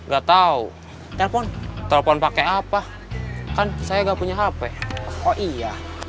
gak tau telepon telepon pake apa kan saya gak punya hp oh iya